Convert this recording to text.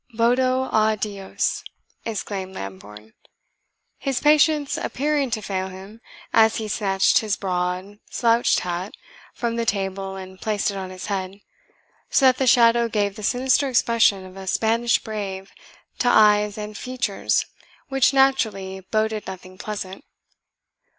"VOTO A DIOS!" exclaimed Lambourne, his patience appearing to fail him, as he snatched his broad, slouched hat from the table and placed it on his head, so that the shadow gave the sinister expression of a Spanish brave to eyes and features which naturally boded nothing pleasant.